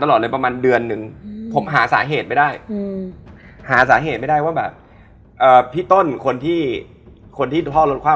แล้วมันจะมาจากไหนได้